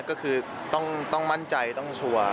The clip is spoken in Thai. ก็คือต้องมั่นใจต้องชัวร์